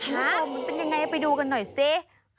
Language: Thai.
คุณผู้ชมมันเป็นยังไงไปดูกันหน่อยสิ